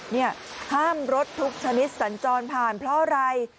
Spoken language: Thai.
นี่ห้ามรถทุกชนิดสัญจรผ่านเพราะอะไร